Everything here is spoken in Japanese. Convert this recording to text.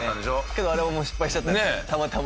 けどあれは失敗しちゃったたまたま。